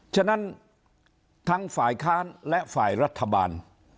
ฉะนั้นทั้งฝ่ายค้านและฝ่ายรัฐบาล